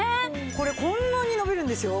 これこんなに伸びるんですよ。